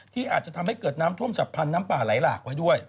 ที่อาจจะทำให้เกิดน้ำท่วมฉับพันธ์น้ำป่าไหลหลากไว้ด้วย